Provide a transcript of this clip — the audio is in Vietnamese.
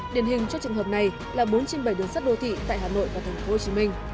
điển hình cho trường hợp này là bốn trên bảy đường sắt đô thị tại hà nội và tp hcm